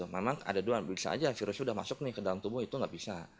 memang ada dua bisa saja virus sudah masuk ke dalam tubuh itu nggak bisa